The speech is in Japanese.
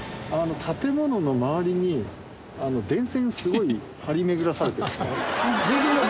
建物の周りに電線すごい張り巡らされてる。